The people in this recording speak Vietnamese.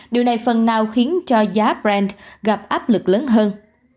điều này phần nào khiến cho giá brand gặp áp lực lớn hơn